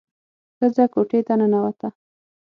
ښځه کوټې ته ننوته.